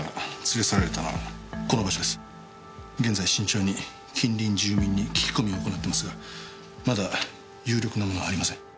現在慎重に近隣住民に聞き込みを行ってますがまだ有力なものはありません。